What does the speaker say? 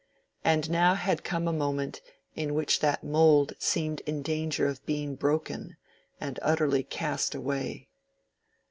And now had come a moment in which that mould seemed in danger of being broken and utterly cast away.